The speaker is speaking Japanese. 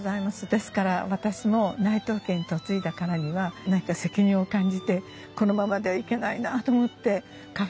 ですから私も内藤家に嫁いだからには何か責任を感じてこのままではいけないなあと思ってカフェにいたしました。